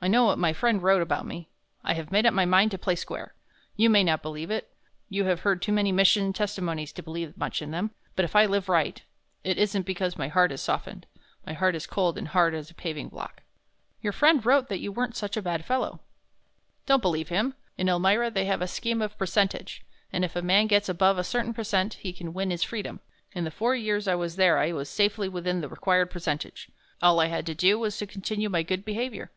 I know what my friend wrote about me. I have made up my mind to play square. You may not believe it. You have heard too many mission testimonies to believe much in them. But if I live right it isn't because my heart is softened, my heart is cold and hard as a paving block." "Your friend wrote that you weren't such a bad fellow." "Don't believe him. In Elmira they have a scheme of percentage, and if a man gets above a certain percent he can win his freedom. In the four years I was there I was safely within the required percentage all I had to do was to continue my good behavior.